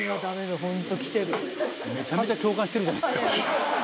「ホントきてる」「めちゃめちゃ共感してるじゃないですか」